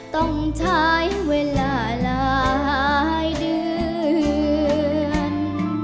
ต้องใช้เวลาหลายเดือน